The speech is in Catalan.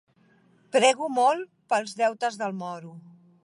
Prego molt pels deutes del moro.